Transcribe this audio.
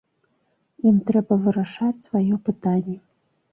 Ім трэба вырашаць сваё пытанне.